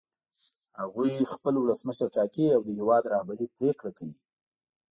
هغوی خپل ولسمشر ټاکي او د هېواد رهبري پرېکړه کوي.